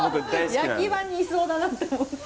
焼き場にいそうだなと思って。